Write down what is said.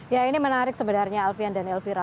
ya ini menarik sebenarnya alfian dan elvira